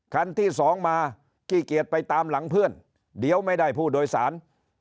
คันที่สองมาขี้เกียจไปตามหลังเพื่อนเดี๋ยวไม่ได้ผู้โดยสาร